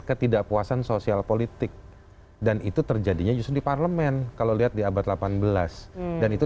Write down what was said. ketidakpuasan sosial politik dan itu terjadinya justru di parlemen kalau lihat di abad delapan belas dan itu